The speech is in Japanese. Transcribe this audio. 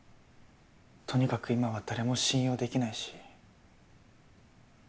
とにかく今は誰も信用できないし。